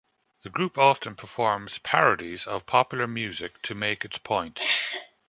The group often performs parodies of popular music to make its point.